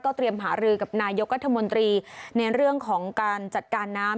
เตรียมหารือกับนายกรัฐมนตรีในเรื่องของการจัดการน้ำ